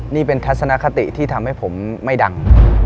นี่เป็นทัศนคติที่ทำให้ผมไม่ดัง